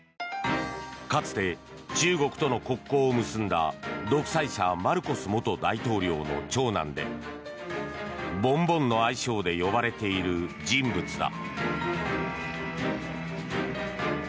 かつて中国との国交を結んだ独裁者、マルコス元大統領の長男でボンボンの愛称で呼ばれている人物だ。